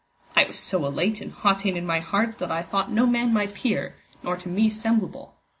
I was so elate and hauteyn in my heart that I thought no man my peer, nor to me semblable.